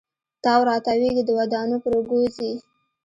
تاو را تاویږې د دودانو پر اوږو ځي